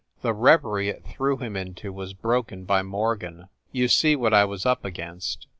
The reverie it threw him into was broken by Morgan. "You see what I was up against."